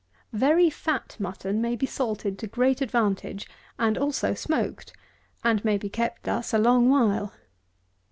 157. VERY FAT Mutton may be salted to great advantage, and also smoked, and may be kept thus a long while.